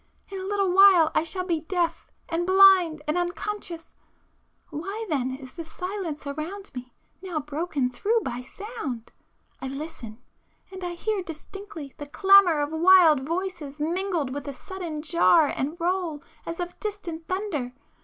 in a little while I shall be deaf and blind and unconscious, ... why then is the silence around me now broken through by sound? I listen,—and I hear distinctly the clamour of wild voices mingled with a sullen jar and roll as of distant thunder!